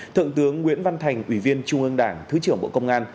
thượng tướng nguyễn văn thành ủy viên trung ương đảng thứ trưởng bộ công an